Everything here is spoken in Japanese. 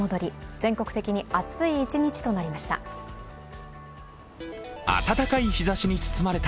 全国的に暑い一日となりました。